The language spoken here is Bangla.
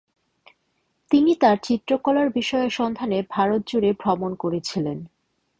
তিনি তার চিত্রকলার বিষয়ের সন্ধানে ভারতজুড়ে ভ্রমণ করেছিলেন।